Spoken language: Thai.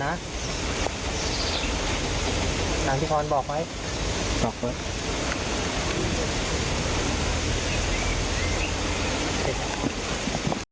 นางวราพรที่สาววิรากฝนะ